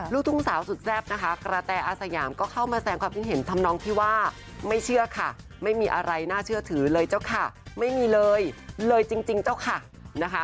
ลูกทุ่งสาวสุดแซ่บนะคะกระแตอาสยามก็เข้ามาแสงความคิดเห็นทำนองที่ว่าไม่เชื่อค่ะไม่มีอะไรน่าเชื่อถือเลยเจ้าค่ะไม่มีเลยเลยจริงเจ้าค่ะนะคะ